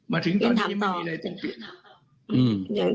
มาถึงตอนนี้ไม่มีอะไรเปลี่ยน